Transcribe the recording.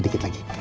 dikit lagi ya